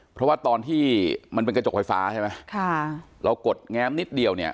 เพราะว่าตอนที่มันเป็นกระจกไฟฟ้าใช่ไหมค่ะเรากดแง้มนิดเดียวเนี่ย